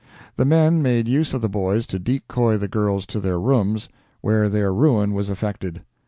The men made use of the boys to decoy the girls to their rooms, where their ruin was effected.